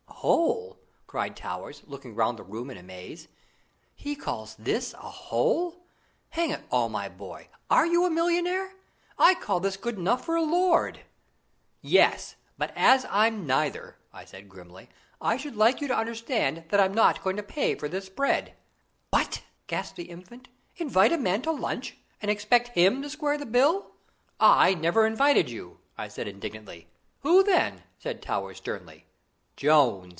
"Hole!" cried Towers, looking round the room in amaze. "He calls this a hole! Hang it all, my boy, are you a millionaire? I call this good enough for a lord." "Yes; but as I'm neither," I said grimly, "I should like you to understand that I'm not going to pay for this spread." "What!" gasped the Infant. "Invite a man to lunch, and expect him to square the bill?" "I never invited you!" I said indignantly. "Who then?" said Towers sternly. "Jones!"